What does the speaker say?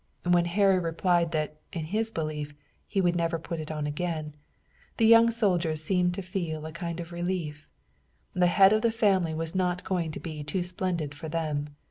When Harry replied that, in his belief, he would never put it on again, the young soldiers seemed to feel a kind of relief. The head of the family was not going to be too splendid for them.